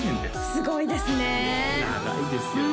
すごいですね長いですよね